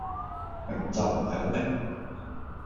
明就唔係好明